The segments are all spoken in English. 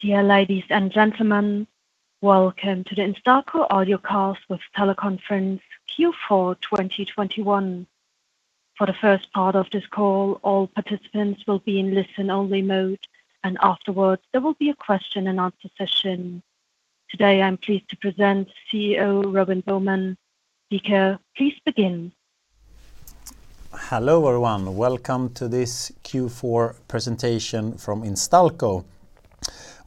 Dear ladies and gentlemen, welcome to the Instalco Audiocast with Teleconference Q4 2021. For the first part of this call, all participants will be in listen-only mode, and afterwards there will be a question and answer session. Today, I'm pleased to present CEO Robin Boheman. Speaker, please begin. Hello, everyone. Welcome to this Q4 presentation from Instalco.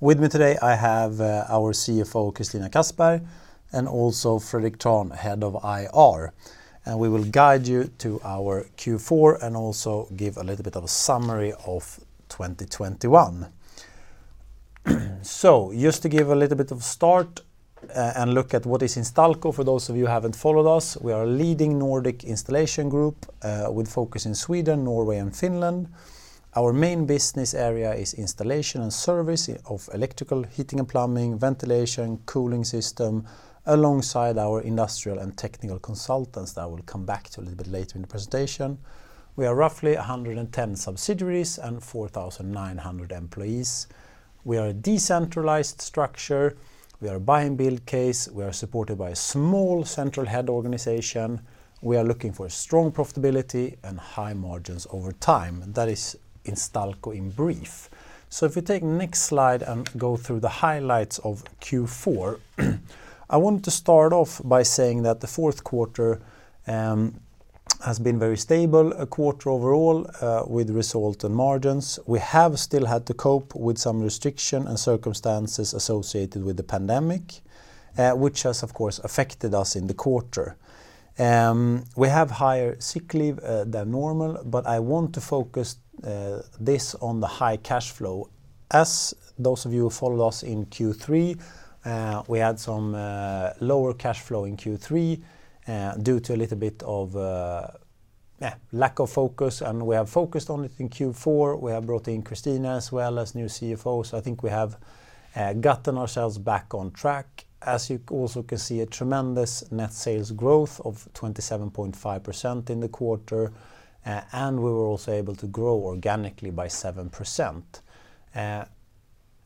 With me today, I have our CFO, Christina Kassberg, and also Fredrik Trahn, Head of IR. We will guide you to our Q4 and also give a little bit of a summary of 2021. Just to give a little bit of start and look at what is Instalco, for those of you who haven't followed us, we are a leading Nordic installation group with focus in Sweden, Norway, and Finland. Our main business area is installation and service of electrical heating and plumbing, ventilation, cooling system, alongside our industrial and technical consultants that I will come back to a little bit later in the presentation. We are roughly 110 subsidiaries and 4,900 employees. We are a decentralized structure. We are a buy and build case. We are supported by a small central head organization. We are looking for strong profitability and high margins over time. That is Instalco in brief. If we take next slide and go through the highlights of Q4, I want to start off by saying that the fourth quarter has been very stable, a quarter overall with result and margins. We have still had to cope with some restriction and circumstances associated with the pandemic, which has, of course, affected us in the quarter. We have higher sick leave than normal, but I want to focus this on the high cash flow. As those of you who followed us in Q3, we had some lower cash flow in Q3 due to a little bit of lack of focus, and we have focused on it in Q4. We have brought in Christina as well as new CFO. I think we have gotten ourselves back on track. As you also can see, a tremendous net sales growth of 27.5% in the quarter, and we were also able to grow organically by 7%,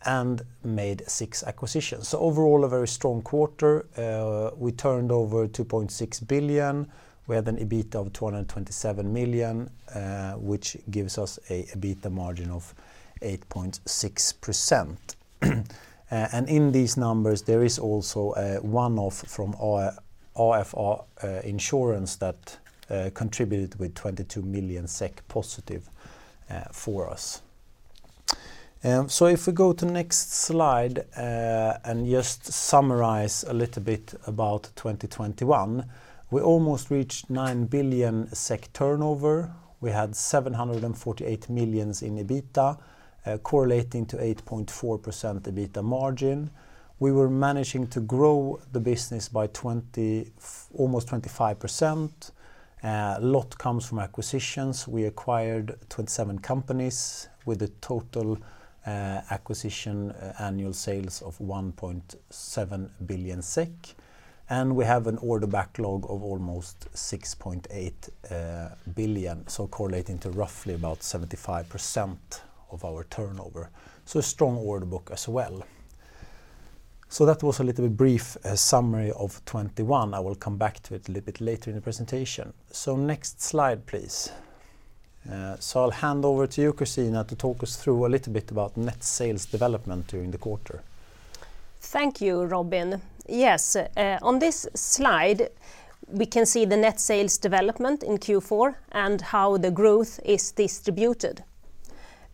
and made six acquisitions. Overall, a very strong quarter. We turned over 2.6 billion. We had an EBITDA of 227 million, which gives us a EBITDA margin of 8.6%. And in these numbers, there is also one off from our AFA insurance that contributed with 22 million SEK positive for us. If we go to next slide, and just summarize a little bit about 2021, we almost reached 9 billion SEK turnover. We had 748 million in EBITDA, correlating to 8.4% EBITDA margin. We were managing to grow the business by almost 25%. A lot comes from acquisitions. We acquired 27 companies with a total acquisition annual sales of 1.7 billion SEK. We have an order backlog of almost 6.8 billion, so correlating to roughly about 75% of our turnover. A strong order book as well. That was a little bit brief summary of 2021. I will come back to it a little bit later in the presentation. Next slide, please. I'll hand over to you, Christina, to talk us through a little bit about net sales development during the quarter. Thank you, Robin. Yes, on this slide, we can see the net sales development in Q4 and how the growth is distributed.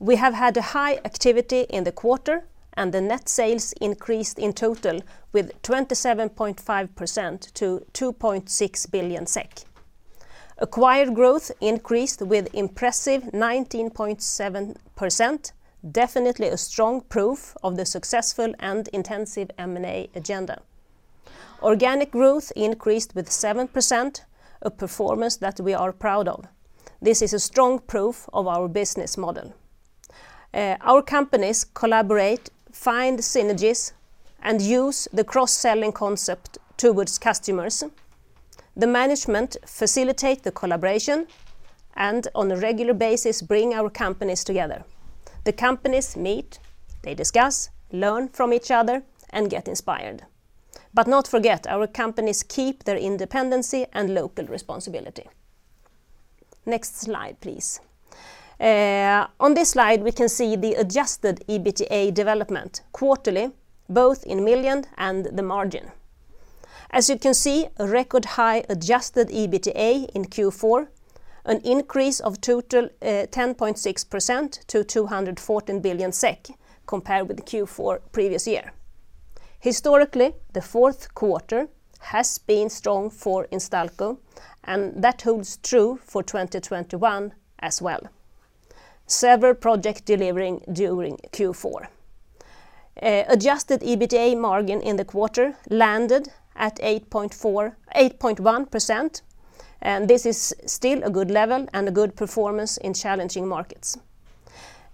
We have had a high activity in the quarter, and the net sales increased in total with 27.5% to 2.6 billion SEK. Acquired growth increased with impressive 19.7%, definitely a strong proof of the successful and intensive M&A agenda. Organic growth increased with 7%, a performance that we are proud of. This is a strong proof of our business model. Our companies collaborate, find synergies, and use the cross-selling concept towards customers. The management facilitate the collaboration, and on a regular basis, bring our companies together. The companies meet, they discuss, learn from each other, and get inspired. Do not forget, our companies keep their independence and local responsibility. Next slide, please. On this slide, we can see the adjusted EBITDA development quarterly, both in million and the margin. As you can see, a record high adjusted EBITDA in Q4, an increase of total 10.6% to 214 billion SEK compared with the Q4 previous year. Historically, the fourth quarter has been strong for Instalco, and that holds true for 2021 as well. Several projects delivering during Q4. Adjusted EBITDA margin in the quarter landed at 8.1%, and this is still a good level and a good performance in challenging markets.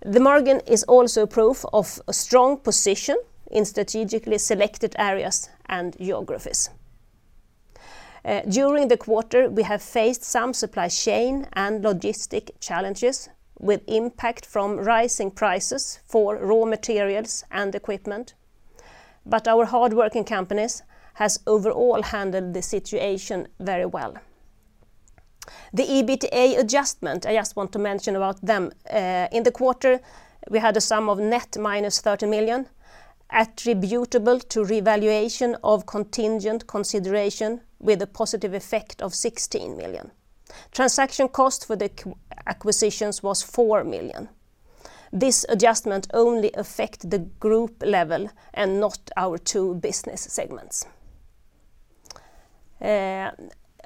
The margin is also proof of a strong position in strategically selected areas and geographies. During the quarter, we have faced some supply chain and logistics challenges with impact from rising prices for raw materials and equipment. Our hardworking companies has overall handled the situation very well. The EBITDA adjustment, I just want to mention about them. In the quarter, we had a sum of net -30 million SEK attributable to revaluation of contingent consideration with a positive effect of 16 million SEK. Transaction cost for the acquisitions was 4 million SEK. This adjustment only affect the group level and not our two business segments.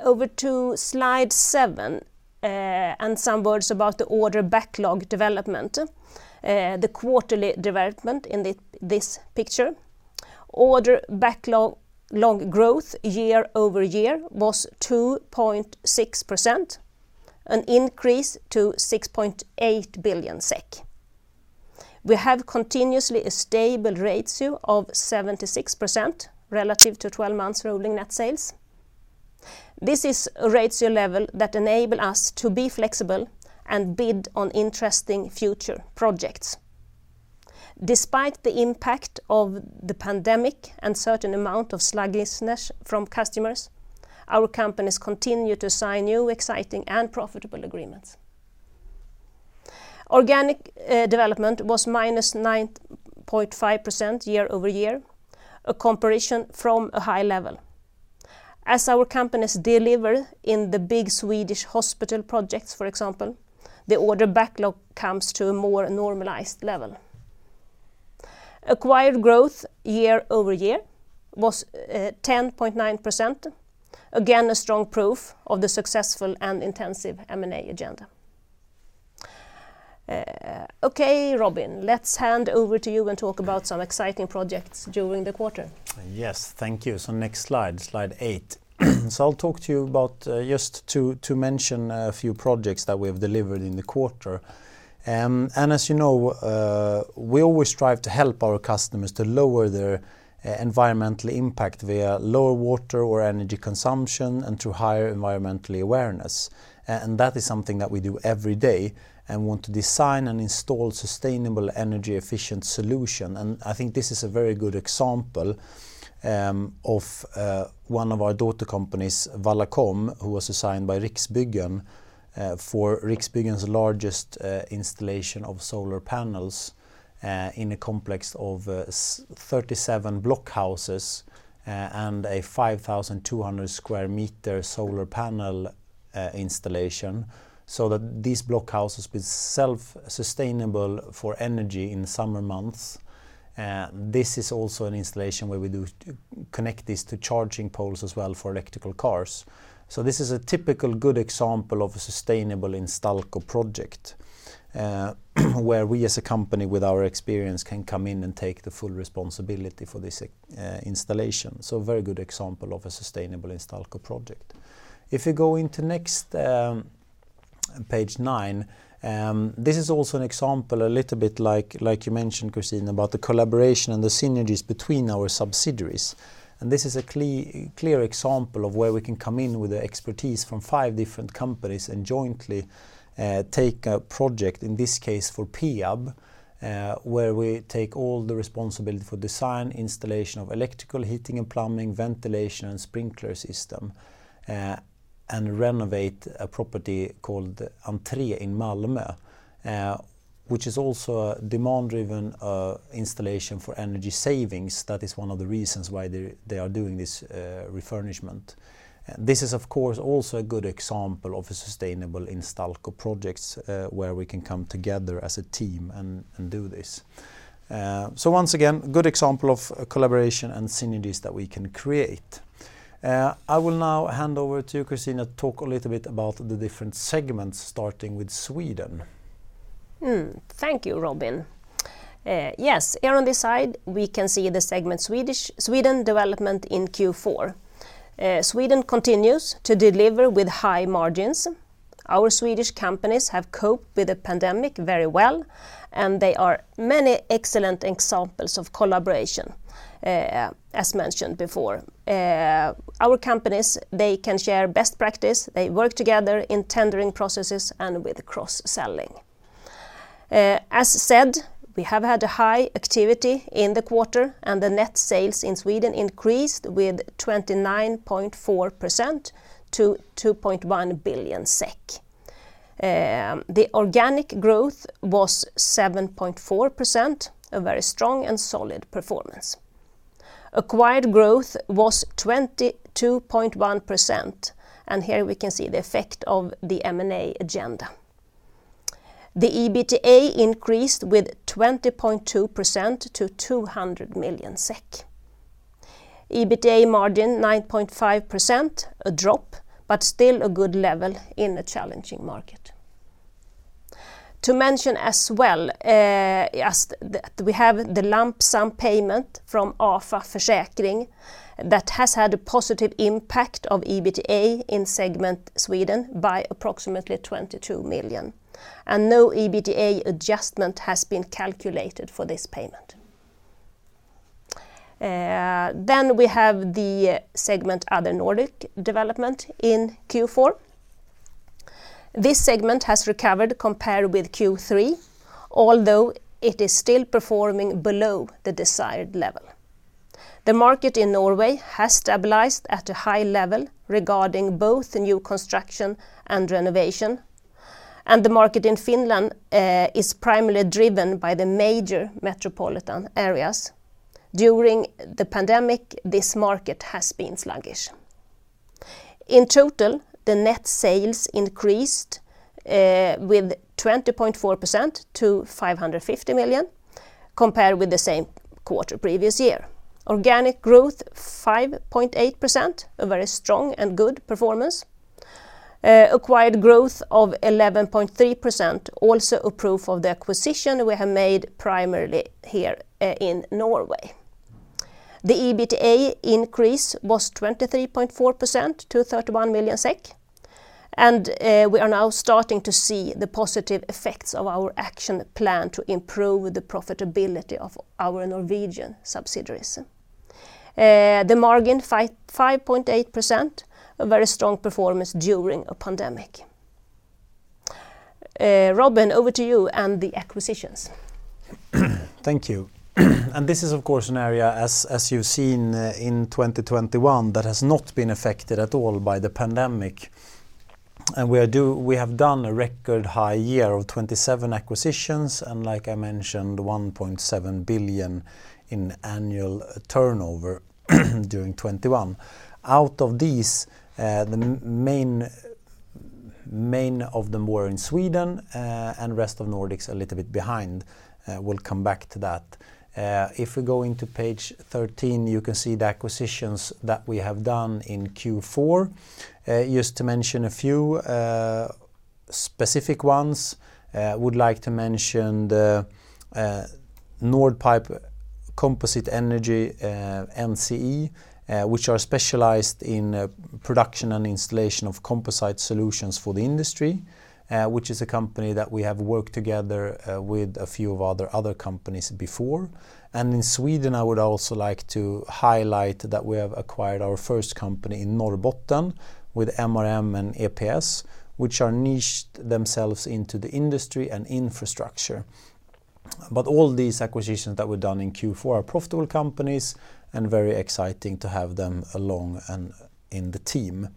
Over to slide seven, and some words about the order backlog development, the quarterly development in this picture. Order backlog growth year-over-year was 2.6%, an increase to 6.8 billion SEK. We have continuously a stable ratio of 76% relative to 12 months rolling net sales. This is a ratio level that enable us to be flexible and bid on interesting future projects. Despite the impact of the pandemic and certain amount of sluggishness from customers, our companies continue to sign new, exciting, and profitable agreements. Organic development was -9.5% year-over-year, a comparison from a high level. As our companies deliver in the big Swedish hospital projects, for example, the order backlog comes to a more normalized level. Acquired growth year-over-year was 10.9%, again, a strong proof of the successful and intensive M&A agenda. Okay, Robin, let's hand over to you and talk about some exciting projects during the quarter. Yes. Thank you. Next slide eight. I'll talk to you about just to mention a few projects that we have delivered in the quarter. As you know, we always strive to help our customers to lower their environmental impact via lower water or energy consumption and through higher environmental awareness. That is something that we do every day and want to design and install sustainable energy-efficient solution. I think this is a very good example of one of our daughter companies, Vallacom, who was assigned by Riksbyggen for Riksbyggen's largest installation of solar panels in a complex of 37 block houses and a 5,200 sq m solar panel installation, so that these block houses be self-sustainable for energy in summer months. This is also an installation where we do connect this to charging poles as well for electrical cars. This is a typical good example of a sustainable Instalco project, where we as a company with our experience can come in and take the full responsibility for this installation. A very good example of a sustainable Instalco project. If you go into next page nine, this is also an example, a little bit like you mentioned, Christina, about the collaboration and the synergies between our subsidiaries. This is a clear example of where we can come in with the expertise from five different companies and jointly take a project, in this case for Peab, where we take all the responsibility for design, installation of electrical heating and plumbing, ventilation, and sprinkler system, and renovate a property called Entré in Malmö, which is also a demand-driven installation for energy savings. That is one of the reasons why they are doing this refurbishment. This is, of course, also a good example of a sustainable Instalco project, where we can come together as a team and do this. So once again, good example of a collaboration and synergies that we can create. I will now hand over to Christina to talk a little bit about the different segments, starting with Sweden. Thank you, Robin. Yes. Here on this side, we can see the segment Sweden development in Q4. Sweden continues to deliver with high margins. Our Swedish companies have coped with the pandemic very well, and there are many excellent examples of collaboration, as mentioned before. Our companies, they can share best practice. They work together in tendering processes and with cross-selling. As said, we have had a high activity in the quarter, and the net sales in Sweden increased with 29.4% to 2.1 billion SEK. The organic growth was 7.4%, a very strong and solid performance. Acquired growth was 22.1%, and here we can see the effect of the M&A agenda. The EBITDA increased with 20.2% to 200 million SEK. EBITDA margin 9.5%, a drop, but still a good level in a challenging market. To mention as well, we have the lump sum payment from AFA Försäkring that has had a positive impact on EBITDA in segment Sweden by approximately 22 million, and no EBITDA adjustment has been calculated for this payment. Then we have the segment Other Nordic development in Q4. This segment has recovered compared with Q3, although it is still performing below the desired level. The market in Norway has stabilized at a high level regarding both the new construction and renovation. The market in Finland is primarily driven by the major metropolitan areas. During the pandemic, this market has been sluggish. In total, the net sales increased with 20.4% to 550 million compared with the same quarter previous year. Organic growth 5.8%, a very strong and good performance. Acquired growth of 11.3%, also a proof of the acquisition we have made primarily here in Norway. The EBITDA increase was 23.4% to 31 million SEK, and we are now starting to see the positive effects of our action plan to improve the profitability of our Norwegian subsidiaries. The margin 5.8%, a very strong performance during a pandemic. Robin, over to you and the acquisitions. Thank you. This is of course an area as you've seen in 2021 that has not been affected at all by the pandemic. We have done a record high year of 27 acquisitions, and like I mentioned, 1.7 billion in annual turnover during 2021. Out of these, the main of them were in Sweden, and rest of Nordics a little bit behind. We'll come back to that. If we go into page 13, you can see the acquisitions that we have done in Q4. Just to mention a few specific ones, I would like to mention the Nordpipe Composite Engineering, NCE, which are specialized in production and installation of composite solutions for the industry, which is a company that we have worked together with a few of other companies before. In Sweden, I would also like to highlight that we have acquired our first company in Norrbotten with MRM and EPS, which are niched themselves into the industry and infrastructure. All these acquisitions that were done in Q4 are profitable companies and very exciting to have them along and in the team.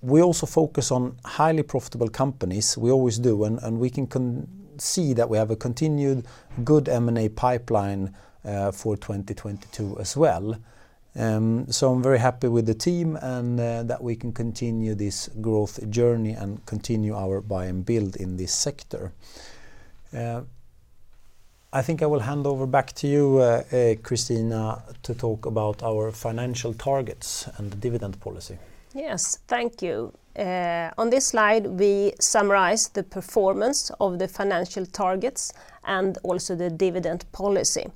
We also focus on highly profitable companies. We always do, and we can see that we have a continued good M&A pipeline for 2022 as well. I'm very happy with the team and that we can continue this growth journey and continue our buy and build in this sector. I think I will hand over back to you, Christina, to talk about our financial targets and the dividend policy. Yes. Thank you. On this slide, we summarize the performance of the financial targets and also the dividend policy.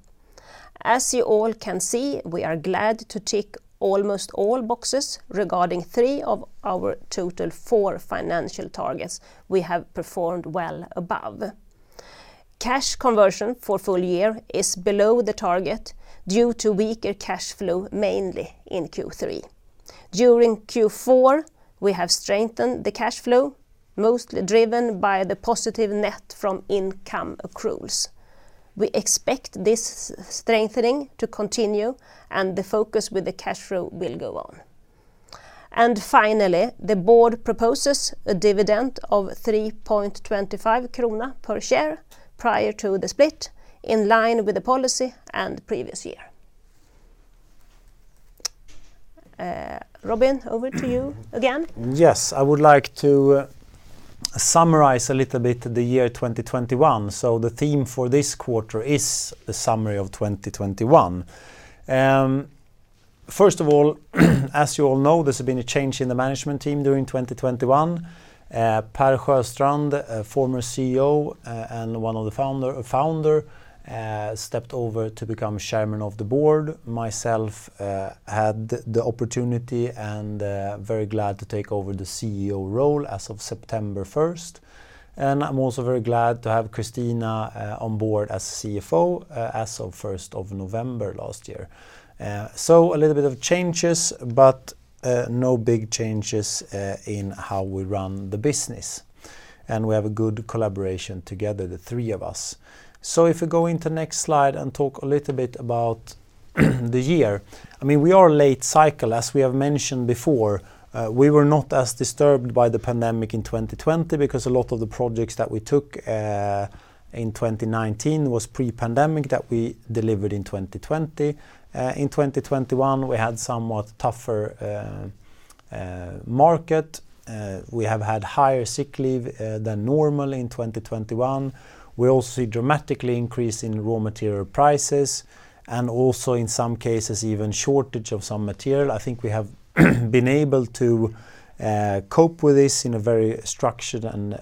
As you all can see, we are glad to tick almost all boxes regarding three of our total four financial targets, we have performed well above. Cash conversion for full year is below the target due to weaker cash flow, mainly in Q3. During Q4, we have strengthened the cash flow, mostly driven by the positive net from income accruals. We expect this strengthening to continue, and the focus with the cash flow will go on. Finally, the board proposes a dividend of 3.25 krona per share prior to the split in line with the policy and previous year. Robin, over to you again. Yes. I would like to summarize a little bit the year 2021. The theme for this quarter is the summary of 2021. First of all, as you all know, there's been a change in the management team during 2021. Per Sjöstrand, a former CEO, and one of the founder, stepped over to become Chairman of the Board. Myself had the opportunity and very glad to take over the CEO role as of September 1st. I'm also very glad to have Christina Kassberg on board as CFO as of 1st of November last year. A little bit of changes, but no big changes in how we run the business, and we have a good collaboration together, the three of us. If we go into next slide and talk a little bit about the year, I mean, we are late cycle as we have mentioned before. We were not as disturbed by the pandemic in 2020 because a lot of the projects that we took in 2019 was pre-pandemic that we delivered in 2020. In 2021, we had somewhat tougher market. We have had higher sick leave than normal in 2021. We all see dramatically increase in raw material prices, and also in some cases, even shortage of some material. I think we have been able to cope with this in a very structured and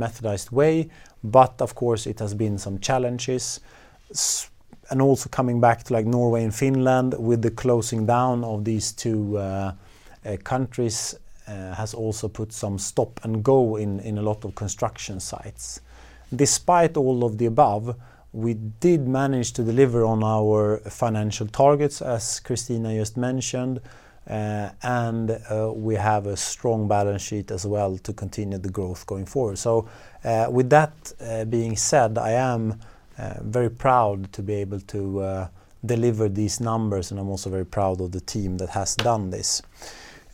methodized way, but of course, it has been some challenges and also coming back to like Norway and Finland with the closing down of these two countries has also put some stop and go in a lot of construction sites. Despite all of the above, we did manage to deliver on our financial targets, as Christina just mentioned, and we have a strong balance sheet as well to continue the growth going forward. With that being said, I am very proud to be able to deliver these numbers, and I'm also very proud of the team that has done this.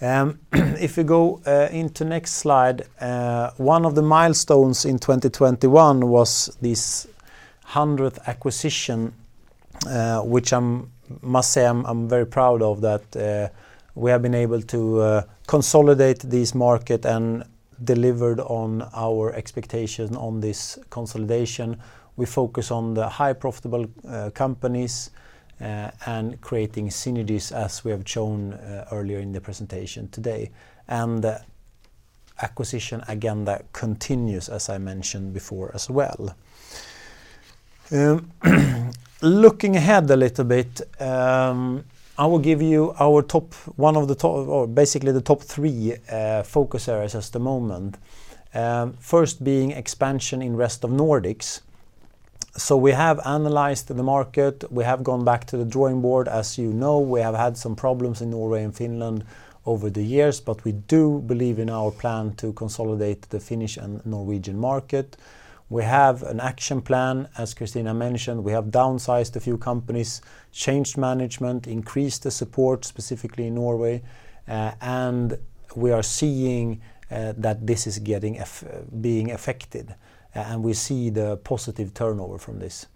If you go into next slide, one of the milestones in 2021 was this hundredth acquisition, which I must say I'm very proud of that, we have been able to consolidate this market and delivered on our expectation on this consolidation. We focus on the highly profitable companies, and creating synergies as we have shown earlier in the presentation today. Acquisition agenda continues as I mentioned before as well. Looking ahead a little bit, I will give you the top three focus areas at the moment. First being expansion in rest of Nordics. We have analyzed the market. We have gone back to the drawing board. As you know, we have had some problems in Norway and Finland over the years, but we do believe in our plan to consolidate the Finnish and Norwegian market. We have an action plan, as Christina mentioned. We have downsized a few companies, changed management, increased the support, specifically in Norway, and we are seeing that this is being affected, and we see the positive turnover from this.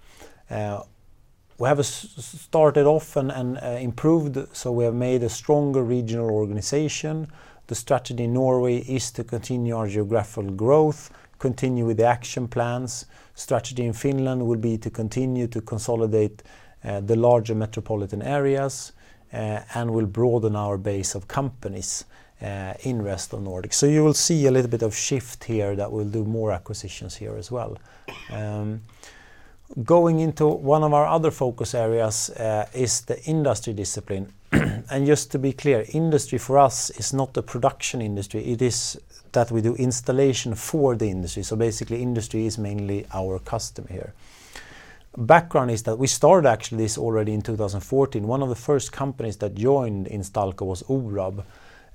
We have started off and improved, so we have made a stronger regional organization. The strategy in Norway is to continue our geographical growth, continue with the action plans. Strategy in Finland would be to continue to consolidate the larger metropolitan areas and will broaden our base of companies in rest of Nordics. You will see a little bit of shift here that we'll do more acquisitions here as well. Going into one of our other focus areas, is the industry discipline. Just to be clear, industry for us is not the production industry. It is that we do installation for the industry. Basically industry is mainly our customer here. Background is that we started actually this already in 2014. One of the first companies that joined Instalco was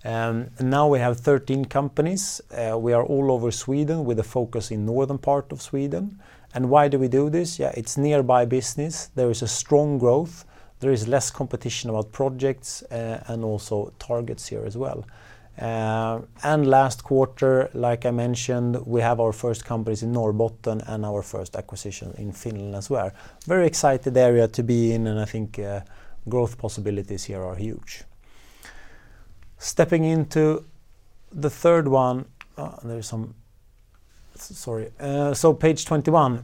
Orab. Now we have 13 companies. We are all over Sweden with a focus in northern part of Sweden. Why do we do this? It's nearby business. There is a strong growth. There is less competition about projects, and also targets here as well. Last quarter, like I mentioned, we have our first companies in Norrbotten and our first acquisition in Finland as well. Very excited area to be in, and I think, growth possibilities here are huge. Stepping into the third one. Page 21.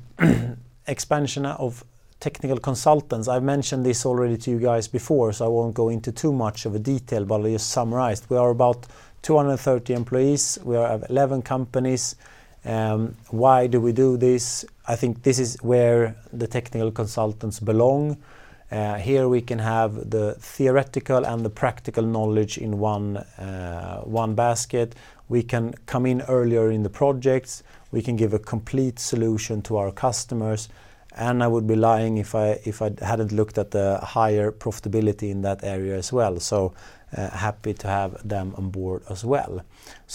Expansion of technical consultants. I've mentioned this already to you guys before, so I won't go into too much of a detail, but I'll just summarize. We are about 230 employees. We are of 11 companies. Why do we do this? I think this is where the technical consultants belong. Here we can have the theoretical and the practical knowledge in one basket. We can come in earlier in the projects. We can give a complete solution to our customers, and I would be lying if I hadn't looked at the higher profitability in that area as well. Happy to have them on board as well.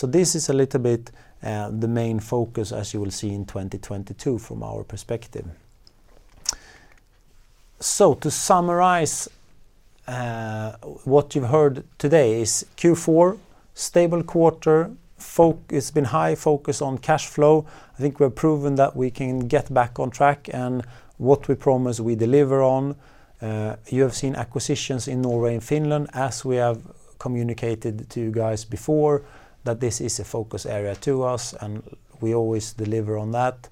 This is a little bit the main focus as you will see in 2022 from our perspective. To summarize, what you've heard today is Q4 stable quarter. It's been high focus on cash flow. I think we have proven that we can get back on track and what we promise we deliver on. You have seen acquisitions in Norway and Finland as we have communicated to you guys before that this is a focus area to us, and we always deliver on that.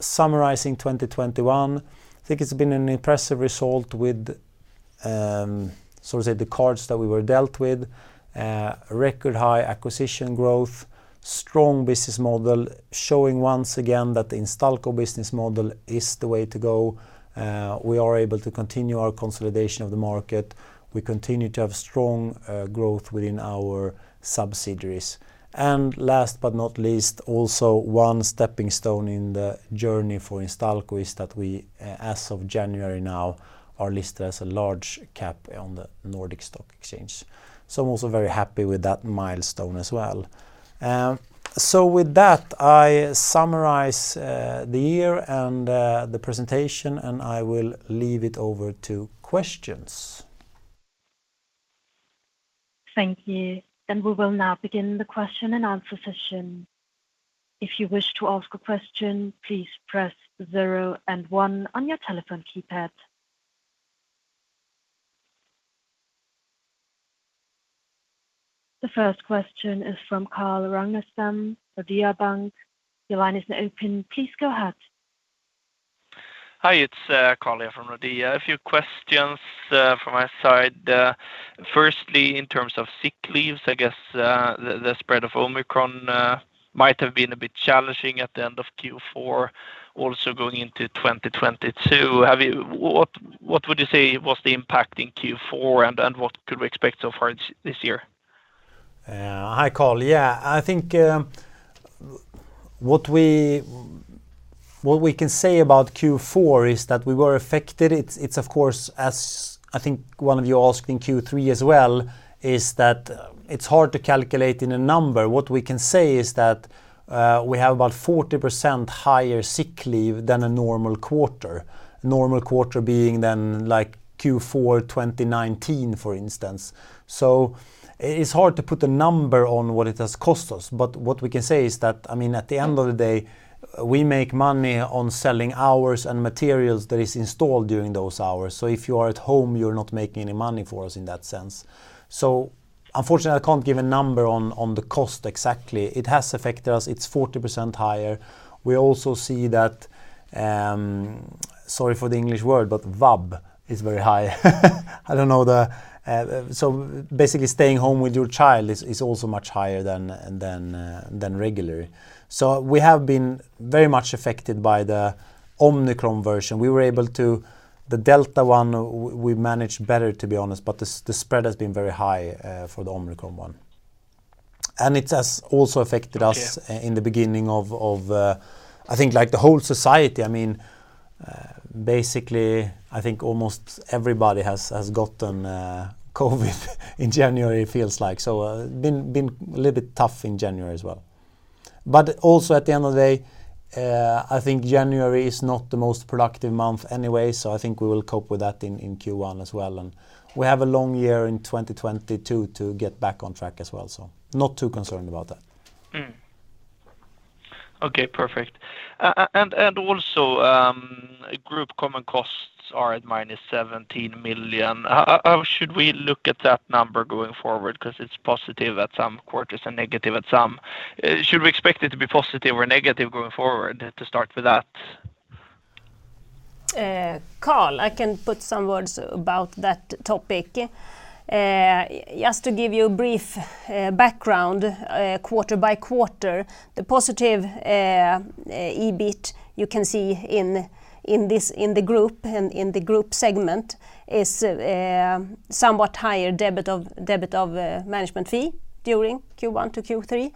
Summarizing 2021, I think it's been an impressive result with so to say the cards that we were dealt with. Record high acquisition growth, strong business model, showing once again that the Instalco business model is the way to go. We are able to continue our consolidation of the market. We continue to have strong growth within our subsidiaries. Last but not least, also one stepping stone in the journey for Instalco is that we, as of January now, are listed as a Large Cap on the Nordic Stock Exchange. I'm also very happy with that milestone as well. With that, I summarize the year and the presentation, and I will leave it over to questions. Thank you. We will now begin the question and answer session. If you wish to ask a question, please press 0 and 1 on your telephone keypad. The first question is from Carl Ragnerstam of Nordea Bank. Your line is now open. Please go ahead. Hi, it's Carl Ragnerstam here from Nordea. A few questions from my side. Firstly, in terms of sick leaves, I guess the spread of Omicron might have been a bit challenging at the end of Q4, also going into 2022. What would you say was the impact in Q4 and what could we expect so far this year? Hi, Carl. Yeah, I think what we can say about Q4 is that we were affected. It's of course, as I think one of you asked in Q3 as well, that it's hard to calculate in a number. What we can say is that we have about 40% higher sick leave than a normal quarter. Normal quarter being then, like, Q4 2019, for instance. It's hard to put a number on what it has cost us, but what we can say is that, I mean, at the end of the day, we make money on selling hours and materials that is installed during those hours. If you are at home, you're not making any money for us in that sense. Unfortunately, I can't give a number on the cost exactly. It has affected us. It's 40% higher. We also see that, sorry for the English word, but VAB is very high. So basically, staying home with your child is also much higher than regularly. We have been very much affected by the Omicron version. The Delta one, we managed better, to be honest, but the spread has been very high for the Omicron one. It has also affected us. Okay.... in the beginning of I think like the whole society. I mean basically I think almost everybody has gotten COVID in January. It feels like. Been a little bit tough in January as well. Also at the end of the day I think January is not the most productive month anyway. I think we will cope with that in Q1 as well. We have a long year in 2022 to get back on track as well. Not too concerned about that. Okay, perfect. Also, group common costs are at -17 million. How should we look at that number going forward? Because it's positive at some quarters and negative at some. Should we expect it to be positive or negative going forward, to start with that? Carl, I can put some words about that topic. Just to give you a brief background, quarter by quarter, the positive EBIT you can see in this, in the group and in the group segment is somewhat higher debit of management fee during Q1 to Q3.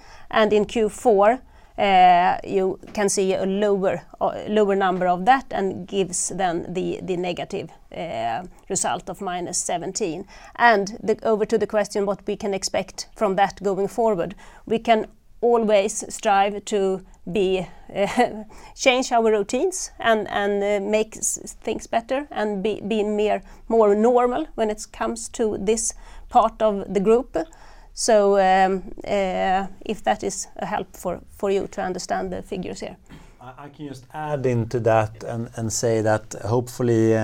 In Q4, you can see a lower number of that and gives then the negative result of -17. Over to the question what we can expect from that going forward, we can always strive to change our routines and make things better and be more normal when it comes to this part of the group. If that is a help for you to understand the figures here. I can just add into that and say that hopefully,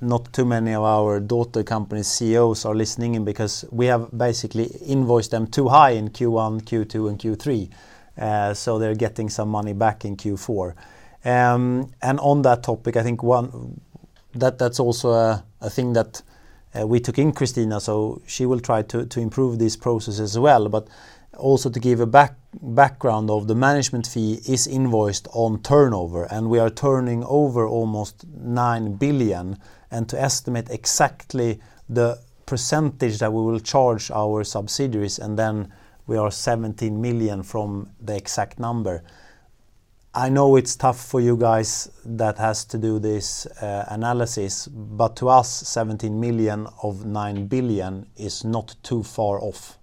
not too many of our daughter company CEOs are listening in because we have basically invoiced them too high in Q1, Q2, and Q3. On that topic, I think that's also a thing that we took in Christina, so she will try to improve this process as well. Also to give a background of the management fee is invoiced on turnover, and we are turning over almost 9 billion. To estimate exactly the percentage that we will charge our subsidiaries, and then we are 17 million from the exact number. I know it's tough for you guys that has to do this, analysis, but to us, 17 million of 9 billion is not too far off,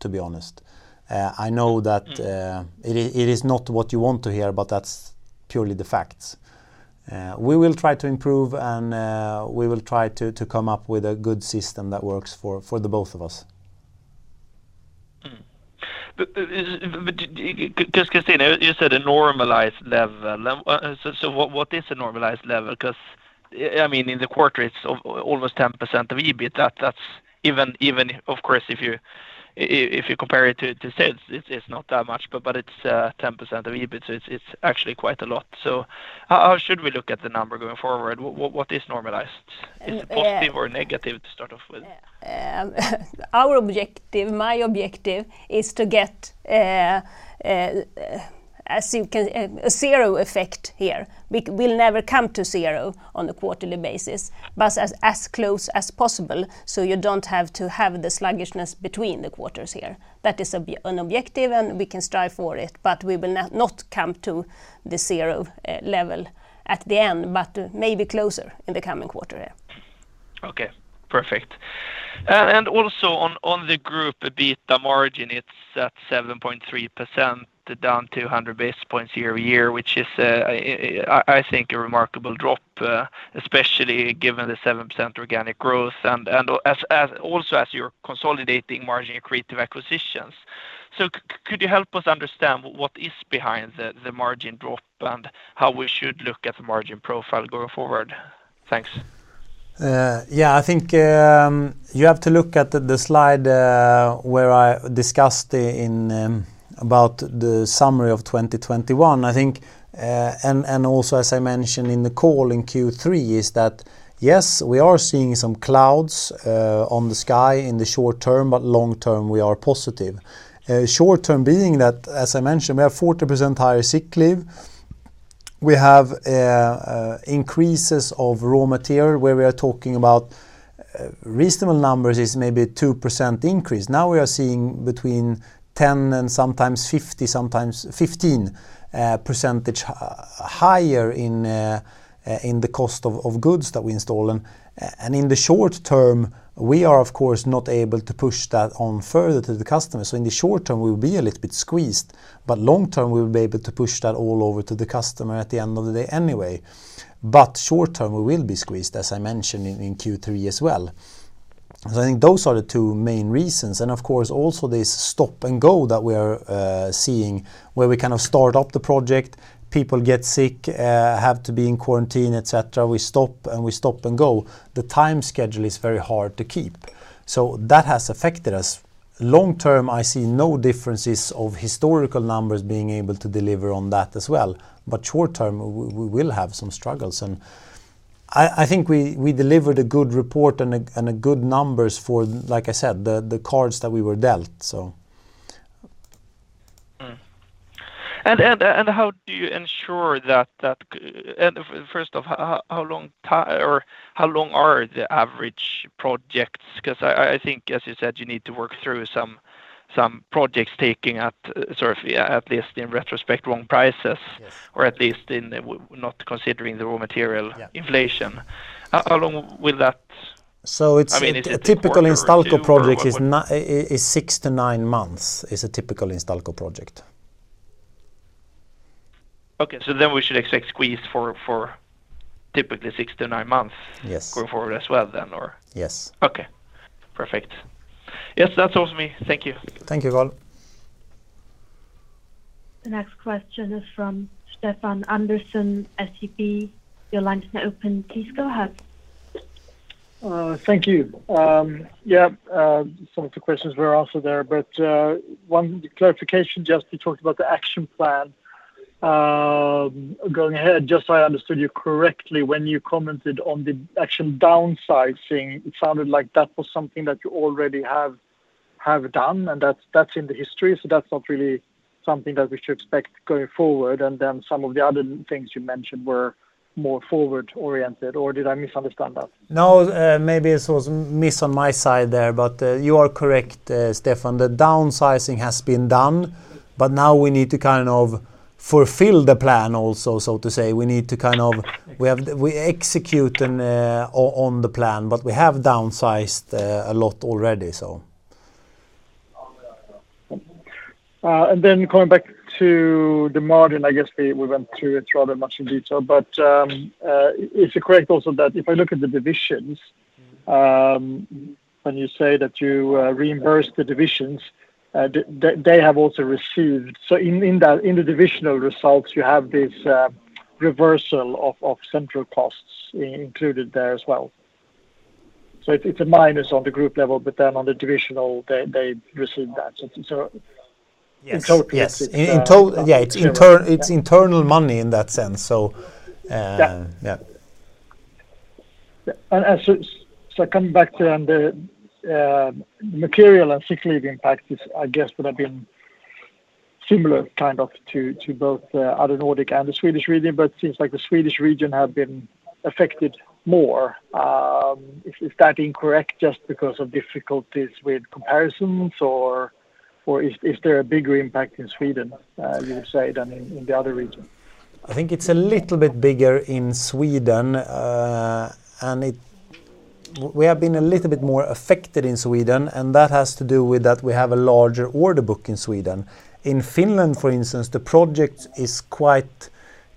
to be honest. I know that. Mm It is not what you want to hear, but that's purely the facts. We will try to improve, and we will try to come up with a good system that works for the both of us. Did Christina, you said a normalized level. What is a normalized level? Because I mean, in the quarter, it's almost 10% of EBIT. That's even of course if you compare it to sales, it's not that much. It's 10% of EBIT, so it's actually quite a lot. How should we look at the number going forward? What is normalized? Uh- Is it positive or negative to start off with? Our objective, my objective, is to get a zero effect here. We'll never come to zero on a quarterly basis, but as close as possible, so you don't have to have the sluggishness between the quarters here. That is an objective, and we can strive for it, but we will not come to the zero level at the end, but maybe closer in the coming quarter, yeah. Okay. Perfect. Also on the group EBITDA margin, it's at 7.3%, down 200 basis points year-over-year, which is, I think, a remarkable drop, especially given the 7% organic growth and as you're consolidating margin-accretive acquisitions. Could you help us understand what is behind the margin drop and how we should look at the margin profile going forward? Thanks. Yeah, I think you have to look at the slide where I discussed about the summary of 2021. I think and also as I mentioned in the call in Q3 is that yes, we are seeing some clouds on the sky in the short term, but long term we are positive. Short term being that, as I mentioned, we have 40% higher sick leave. We have increases of raw material where we are talking about reasonable numbers is maybe 2% increase. Now we are seeing between 10% and sometimes 50%, sometimes 15% higher in the cost of goods that we install. In the short term, we are of course not able to push that on further to the customer. In the short term, we will be a little bit squeezed, but long term we will be able to push that all over to the customer at the end of the day anyway. Short term, we will be squeezed, as I mentioned in Q3 as well. I think those are the two main reasons, and of course also this stop and go that we are seeing where we kind of start up the project, people get sick, have to be in quarantine, et cetera. We stop and go. The time schedule is very hard to keep, so that has affected us. Long term, I see no differences of historical numbers being able to deliver on that as well. Short term we will have some struggles, and I think we delivered a good report and good numbers for, like I said, the cards that we were dealt. How do you ensure that first off, how long are the average projects? 'Cause I think as you said, you need to work through some projects taken at, sort of, at least in retrospect, wrong prices. Yes. not considering the raw material Yeah. inflation. How long will that So it's- I mean, is it a quarter or two? Or what? A typical Instalco project is six to nine months, is a typical Instalco project. We should expect squeeze for typically six to nine months- Yes. Going forward as well then, or? Yes. Okay. Perfect. Yes. That's all from me. Thank you. Thank you, Carl Ragnerstam. The next question is from Stefan Andersson, SEB. Your line is now open. Please go ahead. Thank you. Yeah, some of the questions were answered there, but one clarification, just you talked about the action plan going ahead. Just so I understood you correctly, when you commented on the action downsizing, it sounded like that was something that you already have done, and that's in the history, so that's not really something that we should expect going forward, and then some of the other things you mentioned were more forward oriented, or did I misunderstand that? No. Maybe it was a miss on my side there, but you are correct, Stefan. The downsizing has been done, but now we need to kind of fulfill the plan also, so to say. We need to kind of Okay. We execute on the plan, but we have downsized a lot already, so. Going back to the margin, I guess we went through it rather much in detail, but is it correct also that if I look at the divisions, when you say that you reimburse the divisions, they have also received? So in that, in the divisional results, you have this reversal of central costs included there as well. So it's a minus on the group level, but then on the divisional they receive that. So, Yes. In total Yes. Um. In total, yeah, it's inter- Sure, yeah. It's internal money in that sense. Yeah. Yeah. So coming back to the material and sick leave impact is I guess would have been similar kind of to both other Nordic and the Swedish region, but it seems like the Swedish region have been affected more. Is that incorrect just because of difficulties with comparisons or is there a bigger impact in Sweden you would say than in the other region? I think it's a little bit bigger in Sweden, and we have been a little bit more affected in Sweden, and that has to do with that we have a larger order book in Sweden. In Finland, for instance, the project is quite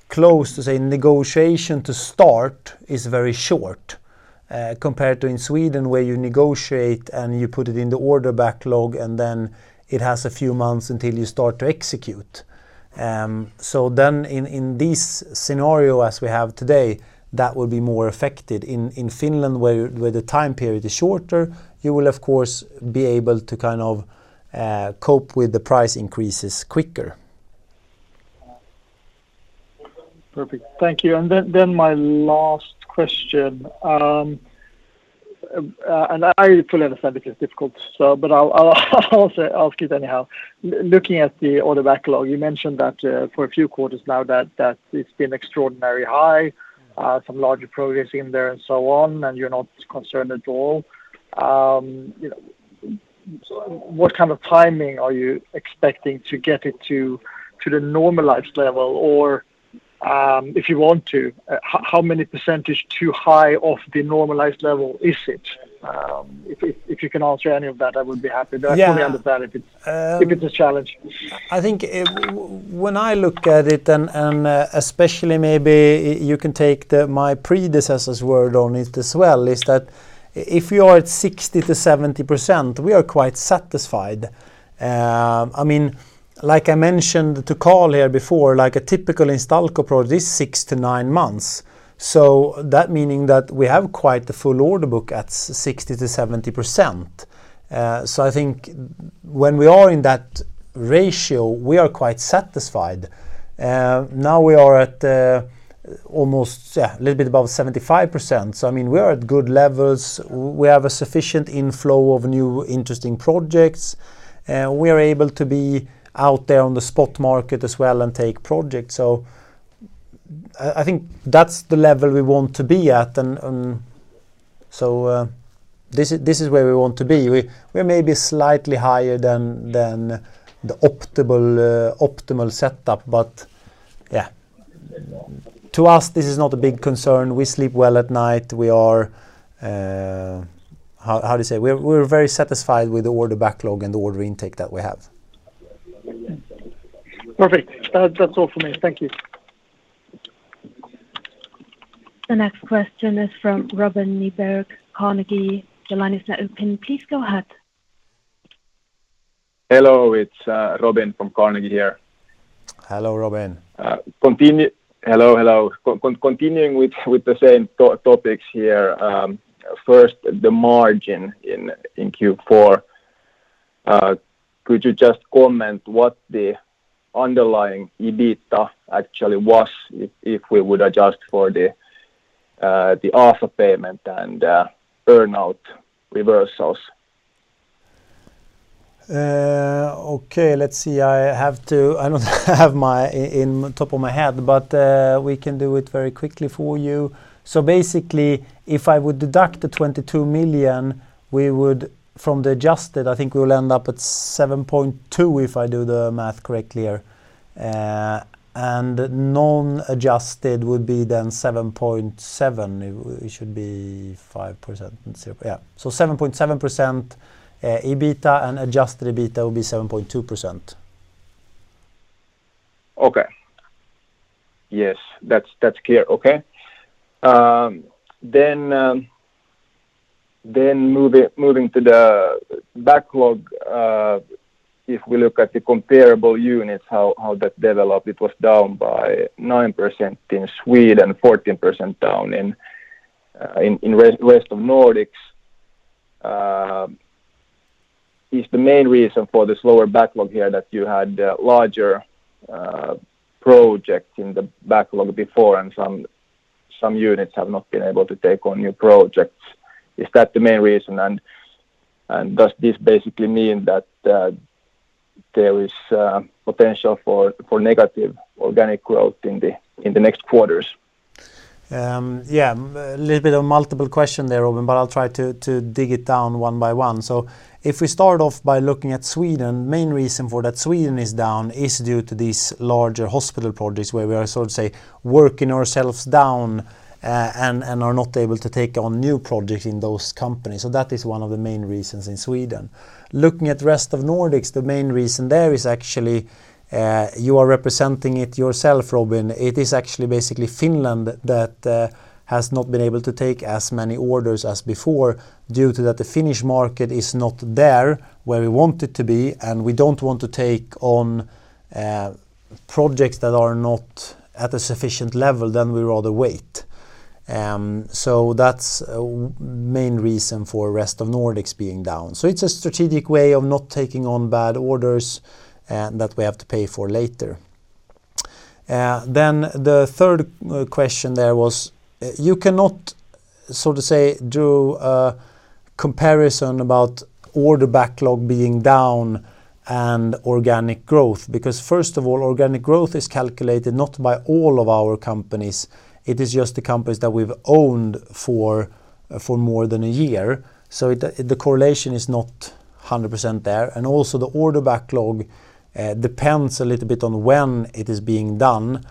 close to say negotiation to start is very short, compared to in Sweden, where you negotiate and you put it in the order backlog, and then it has a few months until you start to execute. In this scenario as we have today, that will be more affected. In Finland where the time period is shorter, you will of course be able to kind of cope with the price increases quicker. Perfect. Thank you. My last question, and I fully understand it is difficult, so but I'll also ask it anyhow. Looking at the order backlog, you mentioned that for a few quarters now that it's been extraordinarily high, some larger progress in there and so on, and you're not concerned at all. You know, what kind of timing are you expecting to get it to the normalized level? Or, if you want to, how many percentage too high of the normalized level is it? If you can answer any of that, I would be happy. Yeah. I fully understand if it's. Um- If it's a challenge. I think it, when I look at it and, especially maybe you can take the, my predecessor's word on it as well, is that if you are at 60%-70%, we are quite satisfied. I mean, like I mentioned to Carl here before, like a typical Instalco project is six to nine months. That meaning that we have quite the full order book at sixty to seventy percent. I think when we are in that ratio, we are quite satisfied. Now we are at almost a little bit above 75%. I mean, we are at good levels. We have a sufficient inflow of new interesting projects, and we are able to be out there on the spot market as well and take projects. I think that's the level we want to be at, and this is where we want to be. We may be slightly higher than the optimal setup, but yeah. To us, this is not a big concern. We sleep well at night. We are how do you say? We're very satisfied with the order backlog and the order intake that we have. Perfect. That's all for me. Thank you. The next question is from Robin Nyberg, Carnegie. Your line is now open. Please go ahead. Hello. It's Robin from Carnegie here. Hello, Robin. Continuing with the same topics here, first, the margin in Q4. Could you just comment what the underlying EBITDA actually was if we would adjust for the AFA payment and earnout reversals? I don't have it off the top of my head, but we can do it very quickly for you. Basically, if I would deduct the 22 million, we would, from the adjusted, I think we will end up at 7.2 if I do the math correctly here. And non-adjusted would be then 7.7. It should be 5% and 0. 7.7% EBITDA, and adjusted EBITDA will be 7.2%. Okay. Yes. That's clear. Okay. Then moving to the backlog, if we look at the comparable units, how that developed, it was down by 9% in Sweden, 14% down in the rest of Nordics. Is the main reason for this lower backlog here that you had larger projects in the backlog before and some units have not been able to take on new projects? Is that the main reason? Does this basically mean that there is potential for negative organic growth in the next quarters? Yeah, a little bit of multiple question there, Robin, but I'll try to dig it down one by one. If we start off by looking at Sweden, main reason for that Sweden is down is due to these larger hospital projects where we are sort of, say, working ourselves down, and are not able to take on new projects in those companies. That is one of the main reasons in Sweden. Looking at rest of Nordics, the main reason there is actually you are representing it yourself, Robin. It is actually basically Finland that has not been able to take as many orders as before due to that the Finnish market is not there where we want it to be, and we don't want to take on projects that are not at a sufficient level, then we rather wait. That's a main reason for rest of Nordics being down. It's a strategic way of not taking on bad orders that we have to pay for later. The third question there was, you cannot, so to say, do a comparison about order backlog being down and organic growth because first of all, organic growth is calculated not by all of our companies. It is just the companies that we've owned for more than a year. The correlation is not hundred percent there. Also the order backlog depends a little bit on when it is being done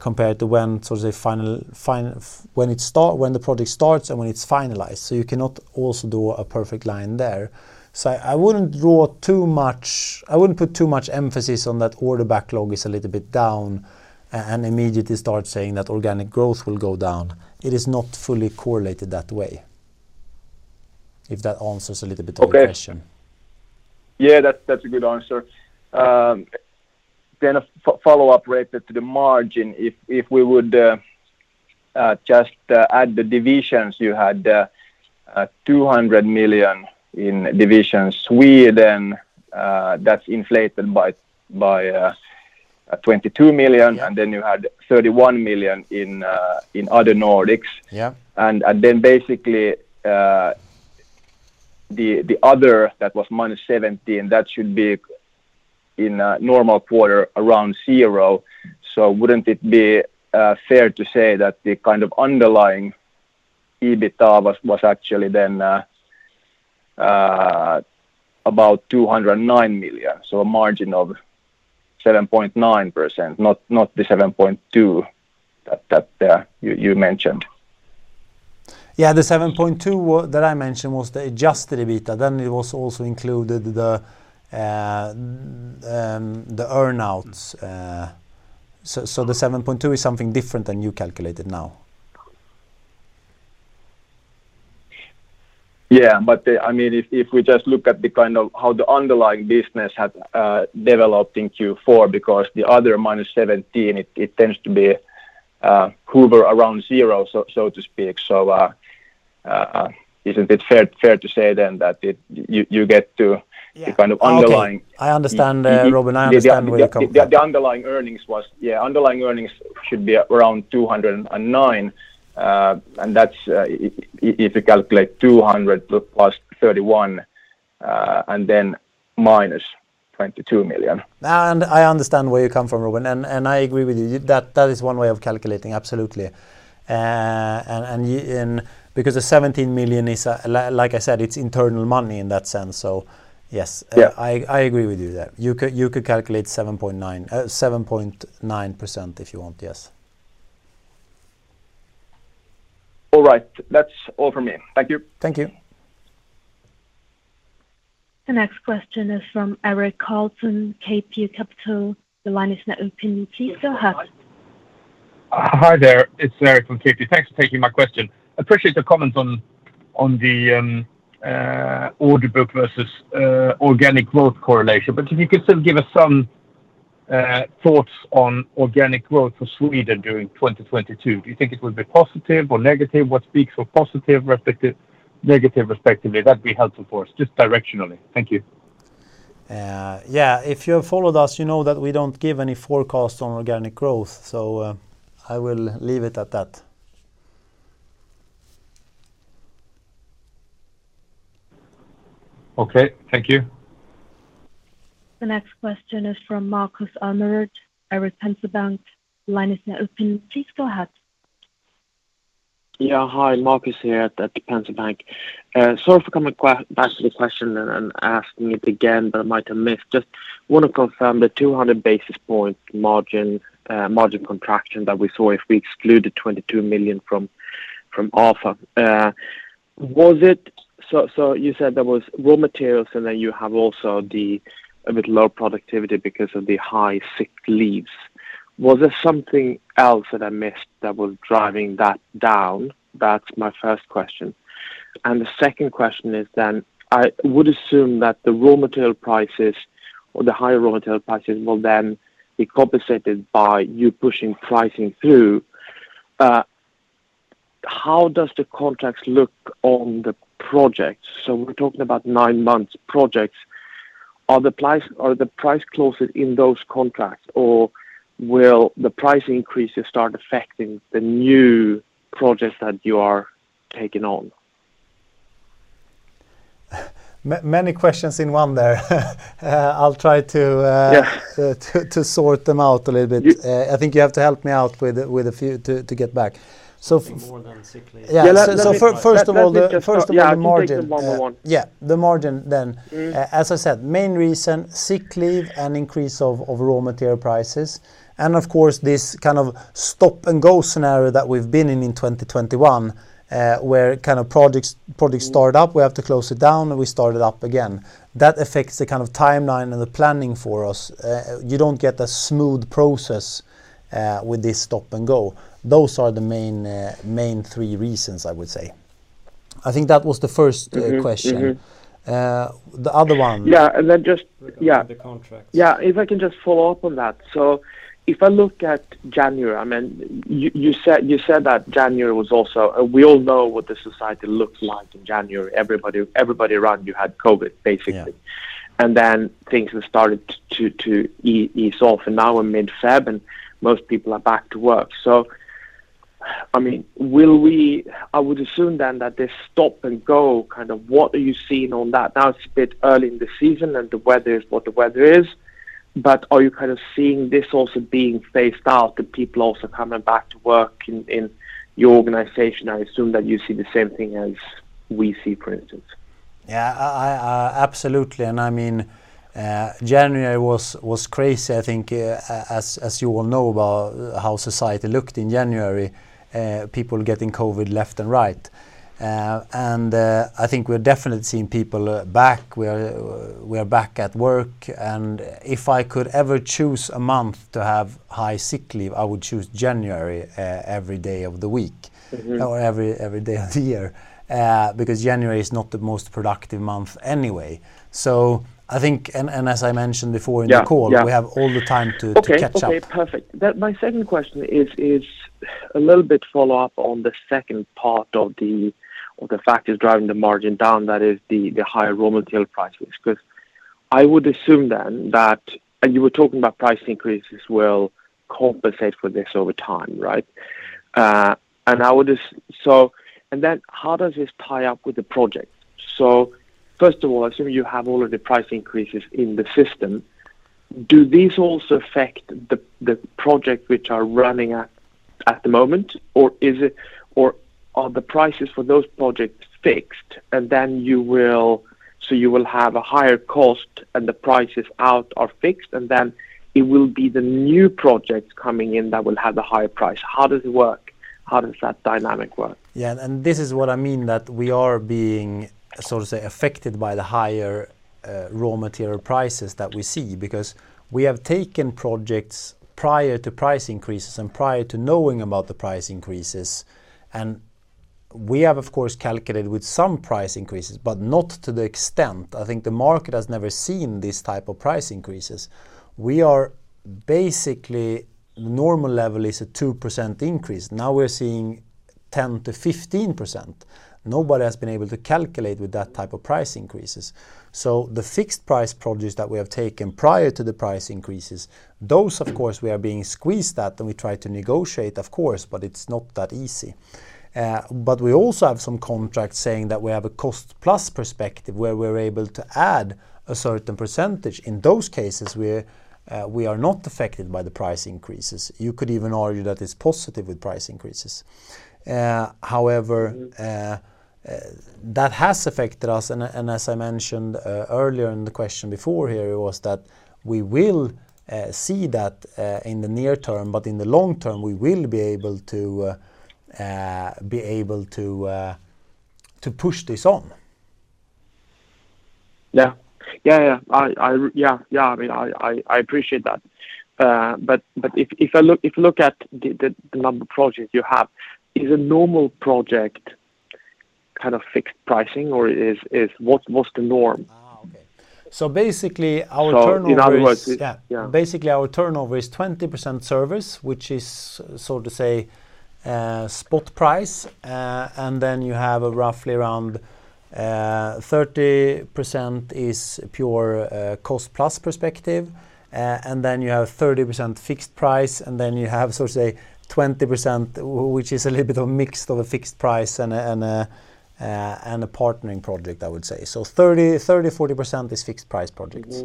compared to when, so to say, when it starts, when the project starts and when it's finalized. You cannot also do a perfect line there. I wouldn't draw too much, I wouldn't put too much emphasis on that order backlog is a little bit down and immediately start saying that organic growth will go down. It is not fully correlated that way, if that answers a little bit the question. Okay. Yeah, that's a good answer. A follow-up related to the margin, if we would just add the divisions, you had 200 million in Division Sweden, that's inflated by 22 million. Yeah. You had 31 million in other Nordics. Yeah. Basically, the other that was -17 million should be in a normal quarter around zero. Wouldn't it be fair to say that the kind of underlying EBITDA was actually then about 209 million, so a margin of 7.9%, not the 7.2% that you mentioned? Yeah. The 7.2 that I mentioned was the adjusted EBITDA. It was also included the earnouts. The 7.2 is something different than you calculated now. Yeah, but they, I mean, if we just look at the kind of how the underlying business has developed in Q4, because the other -17, it tends to hover around zero, so to speak. Isn't it fair to say then that it, you get to- Yeah. The kind of underlying- Okay. I understand there, Robin. The, the- I understand where you're coming from. Underlying earnings should be around 209 million, and that's if you calculate 200 million plus 31 million, and then minus 22 million. No, and I understand where you're coming from, Robin, and I agree with you. That is one way of calculating, absolutely. Because the 17 million is, like I said, it's internal money in that sense. Yes- Yeah I agree with you there. You could calculate 7.9% if you want. Yes. All right. That's all from me. Thank you. Thank you. The next question is from Erik Karlsson, Kepler Cheuvreux. The line is now open. Please go ahead. Hi there. It's Erik Karlsson from Kepler Cheuvreux. Thanks for taking my question. Appreciate the comments on the order book versus organic growth correlation. If you could still give us some thoughts on organic growth for Sweden during 2022. Do you think it will be positive or negative? What speaks for positive respective, negative respectively? That'd be helpful for us, just directionally. Thank you. Yeah, if you have followed us, you know that we don't give any forecast on organic growth. I will leave it at that. Okay. Thank you. The next question is from Marcus Almstedt, Danske Bank. The line is now open. Please go ahead. Hi. Marcus here at Danske Bank. Sorry for coming back to the question and asking it again, but I might have missed. Just wanna confirm the 200 basis points margin contraction that we saw if we exclude the 22 million from AFA. Was it? You said there was raw materials, and then you have also a bit low productivity because of the high sick leaves. Was there something else that I missed that was driving that down? That's my first question. The second question is then, I would assume that the raw material prices or the higher raw material prices will then be compensated by you pushing pricing through. How does the contracts look on the projects? We're talking about nine-month projects. Are the price closed in those contracts, or will the price increases start affecting the new projects that you are taking on? Many questions in one there. I'll try to, Yeah to sort them out a little bit. You- I think you have to help me out with a few to get back. I think more than sick leave. First of all, the margin. Yeah, we can take them one by one. Yeah, the margin then. Mm-hmm. As I said, main reason, sick leave and increase of raw material prices, and of course, this kind of stop-and-go scenario that we've been in in 2021, where kind of projects start up, we have to close it down, and we start it up again. That affects the kind of timeline and the planning for us. You don't get a smooth process with this stop and go. Those are the main three reasons, I would say. I think that was the first. Mm-hmm question. Mm-hmm. Uh, the other one- Yeah, and then just. Regarding the contracts. Yeah. Yeah, if I can just follow up on that. If I look at January, I mean, you said that January was also. We all know what the society looked like in January. Everybody around you had COVID, basically. Yeah. Things have started to ease off. Now in mid-February and most people are back to work. I mean, I would assume then that this stop and go, kind of what are you seeing on that? Now it's a bit early in the season and the weather is what the weather is, but are you kind of seeing this also being phased out, the people also coming back to work in your organization? I assume that you see the same thing as we see, for instance. Yeah. I absolutely, and I mean, January was crazy, I think, as you all know about how society looked in January, people getting COVID left and right. I think we're definitely seeing people back. We are back at work. If I could ever choose a month to have high sick leave, I would choose January every day of the week. Mm-hmm... or every day of the year because January is not the most productive month anyway. I think, and as I mentioned before in the call. Yeah. Yeah We have all the time to catch up. Perfect. My second question is a little bit follow-up on the second part of the factors driving the margin down, that is the higher raw material prices, because I would assume then that you were talking about price increases will compensate for this over time, right? And then how does this tie up with the project? First of all, assuming you have all of the price increases in the system, do these also affect the project which are running at the moment? Or are the prices for those projects fixed, and then you will have a higher cost and the prices out are fixed, and then it will be the new projects coming in that will have the higher price. How does it work? How does that dynamic work? Yeah, this is what I mean, that we are being, so to say, affected by the higher raw material prices that we see because we have taken projects prior to price increases and prior to knowing about the price increases, and we have, of course, calculated with some price increases, but not to the extent. I think the market has never seen these type of price increases. We are basically normal level is a 2% increase. Now we're seeing 10%-15%. Nobody has been able to calculate with that type of price increases. The fixed price projects that we have taken prior to the price increases, those, of course, we are being squeezed at, and we try to negotiate, of course, but it's not that easy. We also have some contracts saying that we have a cost plus perspective, where we're able to add a certain percentage. In those cases, we are not affected by the price increases. You could even argue that it's positive with price increases. However, that has affected us and as I mentioned earlier in the question before here was that we will see that in the near term, but in the long term, we will be able to push this on. I mean, I appreciate that. But if you look at the number of projects you have, is a normal project kind of fixed pricing or is. What's the norm? Okay. Basically our turnover is- In other words. Yeah. Yeah. Basically, our turnover is 20% service, which is so to say spot price. You have roughly around 30% is pure cost plus perspective. You have 30% fixed price, and then you have so to say 20% which is a little bit mixed of a fixed price and a partnering project, I would say. 30%-40% is fixed price projects.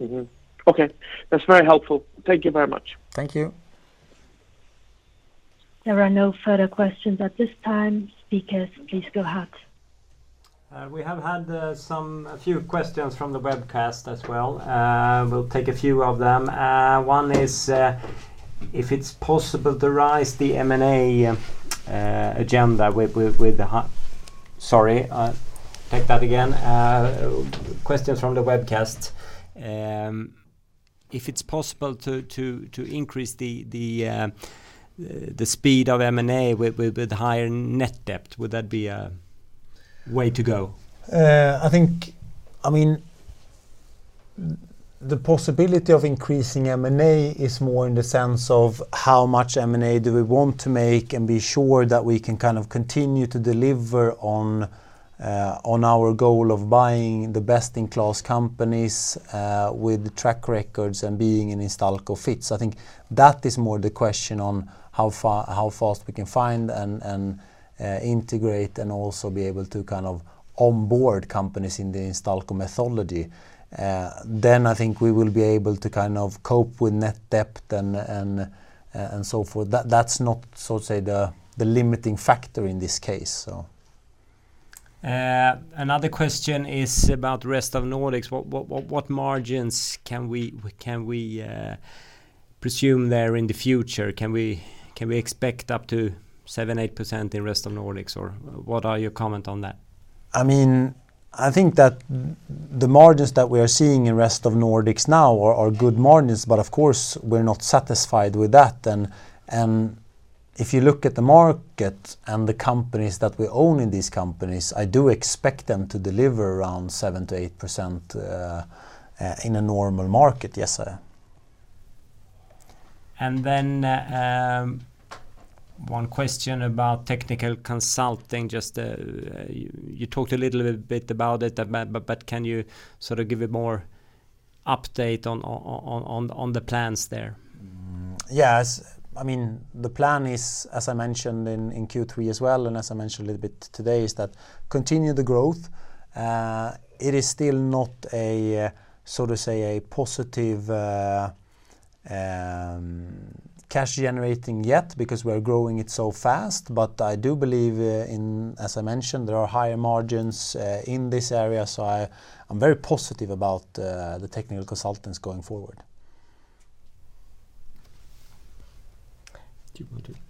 Okay. That's very helpful. Thank you very much. Thank you. There are no further questions at this time. Speakers, please go ahead. We have had a few questions from the webcast as well. We'll take a few of them. One is a question from the webcast. If it's possible to increase the speed of M&A with higher net debt, would that be a way to go? I think, I mean, the possibility of increasing M&A is more in the sense of how much M&A do we want to make and be sure that we can kind of continue to deliver on our goal of buying the best-in-class companies with track records and being an Instalco fits. I think that is more the question on how fast we can find and integrate and also be able to kind of onboard companies in the Instalco methodology. I think we will be able to kind of cope with net debt and so forth. That's not, so to say, the limiting factor in this case. Another question is about rest of Nordics. What margins can we presume there in the future? Can we expect up to 7%-8% in rest of Nordics, or what are your comment on that? I mean, I think that the margins that we are seeing in rest of Nordics now are good margins, but of course, we're not satisfied with that. If you look at the market and the companies that we own in these companies, I do expect them to deliver around 7%-8% in a normal market, yes, sir. One question about technical consulting. Just, you talked a little bit about it, but can you sort of give a more update on the plans there? Yes. I mean, the plan is, as I mentioned in Q3 as well, and as I mentioned a little bit today, is that continue the growth. It is still not a, so to say, a positive cash generating yet because we're growing it so fast. I do believe in, as I mentioned, there are higher margins in this area, so I'm very positive about the technical consultants going forward. Do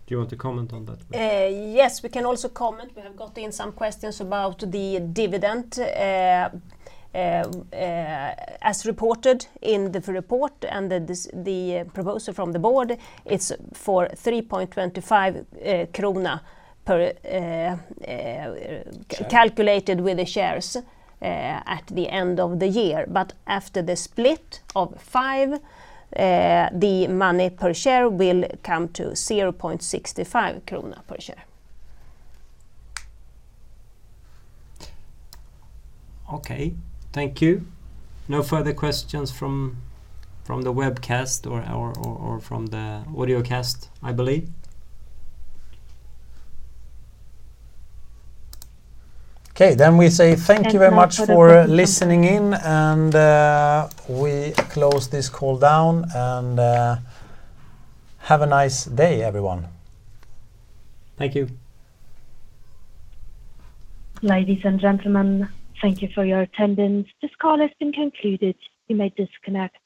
you want to comment on that? Yes. We can also comment. We have got some questions about the dividend. As reported in the report and the proposal from the board, it's for 3.25 krona per share, calculated with the shares at the end of the year. After the split of five, the money per share will come to 0.65 krona per share. Okay. Thank you. No further questions from the webcast or from the audio cast, I believe. We say thank you very much for listening in, and we close this call down, and have a nice day, everyone. Thank you. Ladies and gentlemen, thank you for your attendance. This call has been concluded. You may disconnect.